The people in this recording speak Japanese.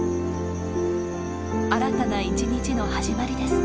新たな一日の始まりです。